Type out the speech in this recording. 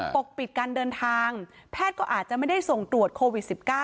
ปกปิดการเดินทางแพทย์ก็อาจจะไม่ได้ส่งตรวจโควิด๑๙